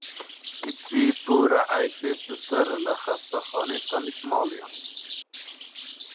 کچی پوورە عەیشێ سستەرە لە خەستانەی تەنیشت ماڵیان.